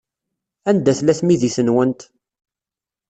Anda tella tmidit-nwent?